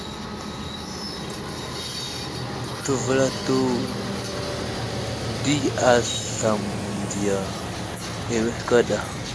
Təvəlato di aslam mənziya awehe kaɗa.